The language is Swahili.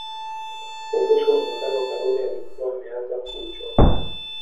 Kuhusu Muungano Karume alikuwa ameanza kuuchoka